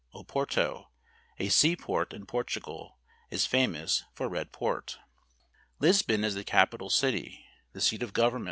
Oporto, a seaport in Portugal, is famous for red port. Lisbon is the capital city ; the seat of govern PORTUGAL.